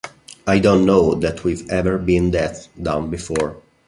I don't know that we've ever been that down before.